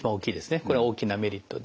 これは大きなメリットで。